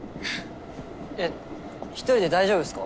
えっ一人で大丈夫ですか？